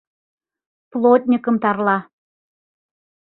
Плотньыкым тарла.